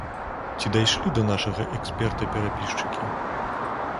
Ці дайшлі да нашага эксперта перапісчыкі?